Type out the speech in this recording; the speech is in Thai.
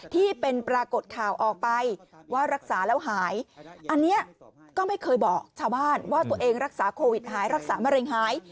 ที่เป็นปรากฏข่าวออกไปว่ารักษาแล้วหายอันนี้ก็ไม่เคยบอกชาวบ้านว่าตัวเองรักษาโควิดหายรักษามะเร็งหาย